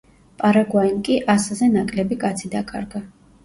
პარაგვაიმ კი ასზე ნაკლები კაცი დაკარგა.